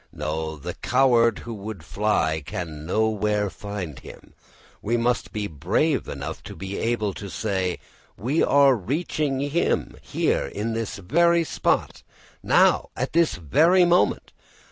No, the coward who would fly can nowhere find him. We must be brave enough to be able to say: We are reaching him here in this very spot, now at this very moment.